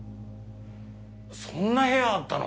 そんな部屋あったの？